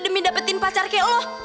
demi dapetin pacar kayak allah